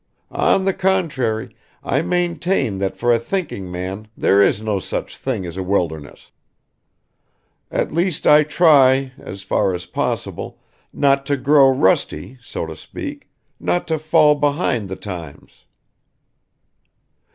On the contrary I maintain that for a thinking man there is no such thing as a wilderness. At least I try, as far as possible, not to grow rusty, so to speak, not to fall behind the times."